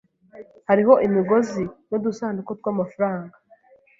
Hariho imigozi nudusanduku twamafaranga.